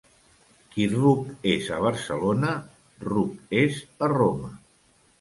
Qui ruc és a Barcelona ruc és a Roma.